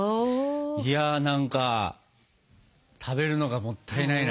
いや何か食べるのがもったいないな。